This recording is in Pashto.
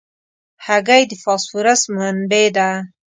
هګۍ د فاسفورس منبع ده.